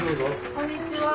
こんにちは。